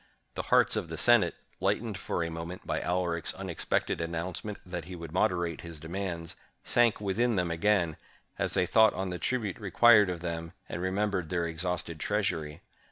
The hearts of the Senate, lightened for a moment by Alaric's unexpected announcement that he would moderate his demands, sank within them again, as they thought on the tribute required of them, and remembered their exhausted treasury.